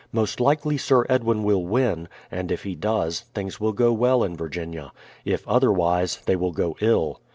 Most hkely Sir Edwin will win, and if he does, things will go well in Virginia; if otherwise, they will go ill.